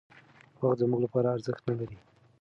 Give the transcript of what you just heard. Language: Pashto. وخت زموږ لپاره ارزښت نهلري.